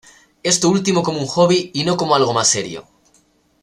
Esto último como un hobby y no como algo más serio.